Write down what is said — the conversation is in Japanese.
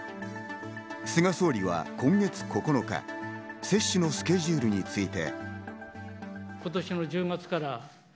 菅総理は今月９日、接種のスケジュールについて。